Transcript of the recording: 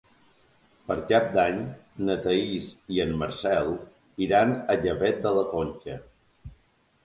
Per Cap d'Any na Thaís i en Marcel iran a Gavet de la Conca.